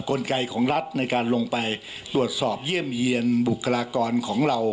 กลไกของรัฐในการลงไปตรวจสอบเยี่ยมเยี่ยนบุคลากรของเรา